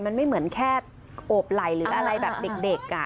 มันไม่เหมือนแค่โอบไหล่หรืออะไรแบบเด็ก